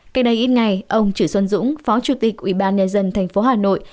cách đây ít ngày ông trữ xuân dũng phó chủ tịch ủy ban nhà dân thành phố hà nội